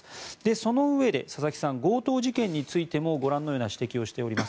そのうえで佐々木さんは強盗事件についてもご覧のような指摘をしております。